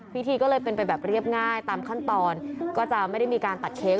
พิธีก็เลยเป็นไปแบบเรียบง่ายตามขั้นตอนก็จะไม่ได้มีการตัดเค้ก